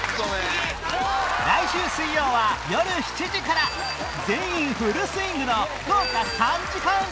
来週水曜はよる７時から全員フルスイングの豪華３時間スペシャル！